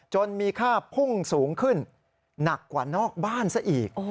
มีค่าพุ่งสูงขึ้นหนักกว่านอกบ้านซะอีก